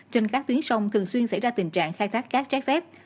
trên các tuyến sông thường xuyên xảy ra tình trạng khai thác cát trái phép